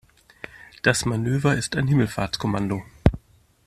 Das Manöver ist ein Himmelfahrtskommando.